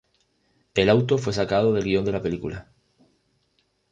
El auto fue sacado del guión de la película.